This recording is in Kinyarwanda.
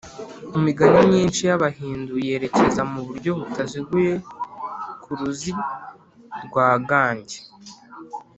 imigani myinshi y’abahindu yerekeza mu buryo butaziguye ku ruzi rwa gange